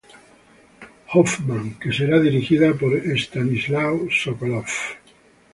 Hoffmann, que será dirigida por Stanislav Sokolov.